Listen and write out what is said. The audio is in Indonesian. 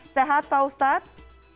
sehat pak ustadz